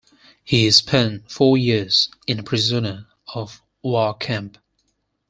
He spent four years in a prisoner of war camp.